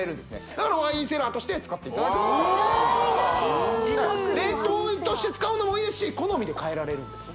だからワインセラーとして使っていただくのもセラーになる冷凍として使うのもいいですし好みで変えられるんですね